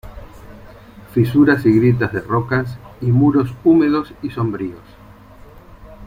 Fisuras y grietas de rocas y muros húmedos y sombríos.